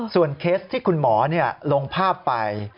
เคสที่คุณหมอลงภาพไป